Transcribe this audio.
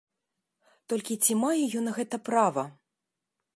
Толькі ці мае ён на гэта права?